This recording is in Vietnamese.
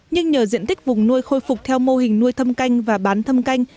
nhưng nhờ diện tích vùng nuôi khôi phục theo mô hình nuôi thâm canh và bán thâm canh